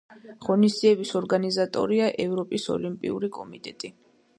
ღონისძიების ორგანიზატორია ევროპის ოლიმპიური კომიტეტი.